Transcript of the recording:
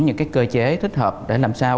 những cơ chế thích hợp để làm sao